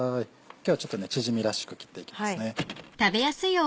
今日はちょっとチヂミらしく切っていきますね。